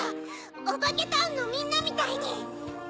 オバケタウンのみんなみたいに！